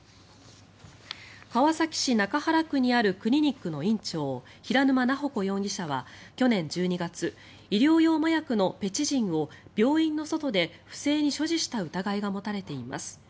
川崎市中原区にあるクリニックの院長平沼菜穂子容疑者は去年１２月医療用麻薬のペチジンを病院の外で不正に所持した疑いが持たれています。